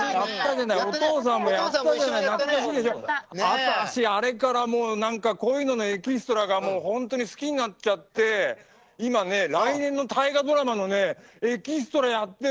私あれからもう何かこういうののエキストラがもう本当に好きになっちゃって今ね来年の「大河ドラマ」のねエキストラやってんのよ。